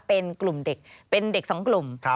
เป็นกลุ่มเด็กเป็นเด็กสองกลุ่ม